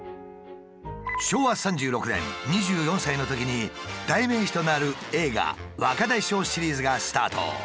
昭和３６年２４歳のときに代名詞となる映画「若大将シリーズ」がスタート。